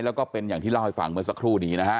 แล้วก็เป็นอย่างที่เล่าให้ฟังเมื่อสักครู่นี้นะฮะ